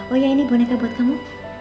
oh ya ini boneka buat kamu